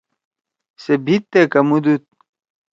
سے بھیِت تے کمُودُود۔